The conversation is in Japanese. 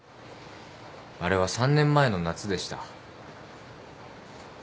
あれは３年前の夏でした。